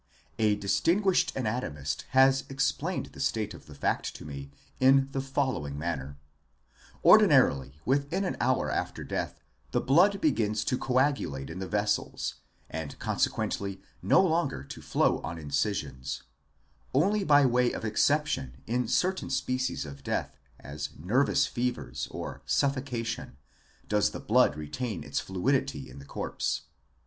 A distinguished anatomist has explained the state of the fact to me in the following manner ; 5 Ordinarily, within an hour after death the blood begins to coagulate in the vessels, and consequently no longer to flow on incisions ; only by way of exception in certain species of death, as nervous fevers, or suffocation, does the blood retain its fluidity in the corpse.